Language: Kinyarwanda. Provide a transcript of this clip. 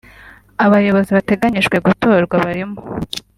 Abayobozi bateganyijwe gutorwa barimo